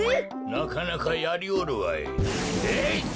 なかなかやりおるわい。